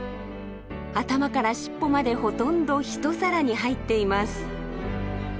頭から尻尾までほとんど一皿に入っています。